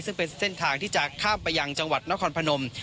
ซึ่งเป็นเส้นทางที่จะข้ามไปยังจังหวัดนครพนม